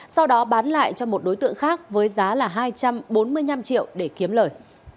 sau đó bán lại cho một đối tượng khác với giá là hai trăm bốn mươi năm triệu để kiếm lời